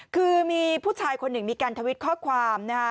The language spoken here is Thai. คือมีผู้ชายคนหนึ่งมีการทวิตข้อความนะฮะ